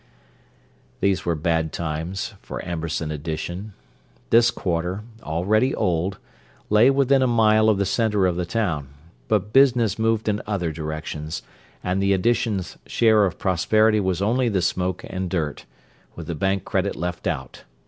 These were bad times for Amberson Addition. This quarter, already old, lay within a mile of the centre of the town, but business moved in other directions; and the Addition's share of Prosperity was only the smoke and dirt, with the bank credit left out.